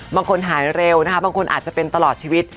บางคนหายเร็วนะคะบางคนอาจจะเป็นตลอดชีวิต